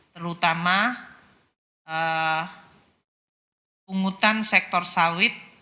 terutama pungutan sektor sawit